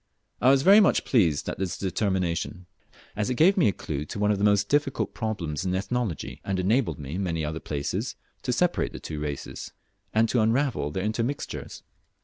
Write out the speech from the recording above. I was very much pleased at this determination, as it gave me a clue to one of the most difficult problems in Ethnology, and enabled me in many other places to separate the two races, and to unravel their intermixtures.